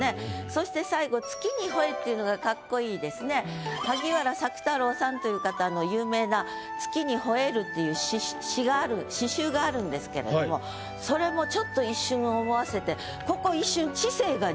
そして最後「月に吠え」っていうのが萩原朔太郎さんという方の有名な「月に吠える」っていう詩がある詩集があるんですけれどもそれもちょっと一瞬思わせてここええ？